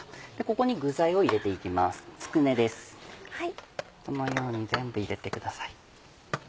このように全部入れてください。